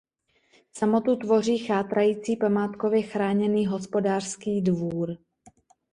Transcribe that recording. Samotu tvoří chátrající památkově chráněný hospodářský dvůr.